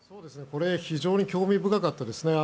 非常に興味深かったですね。